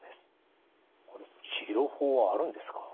治療法はあるんですか？